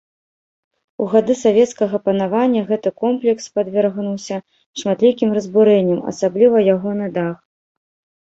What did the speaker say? У гады савецкага панавання гэты комплекс падвергнуўся шматлікім разбурэнняў, асабліва ягоны дах.